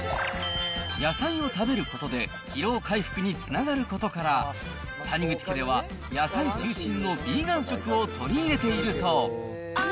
野菜を食べることで、疲労回復につながることから、谷口家では野菜中心のビーガン食を取り入れているそう。